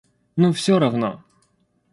Ну, всё равно.